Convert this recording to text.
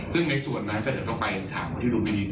ซึ่งในส่วนนั้นเขาก็จะต้องไปถามที่ลุมพินีต่อ